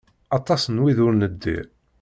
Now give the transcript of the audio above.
Aṭas n wid ur neddir.